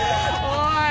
おい。